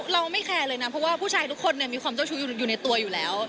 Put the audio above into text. เราไม่แคร์เลยนะเพราะว่าผู้ชายทุกคนมีความเจ้าชู้อยู่ในตัวอยู่แล้ว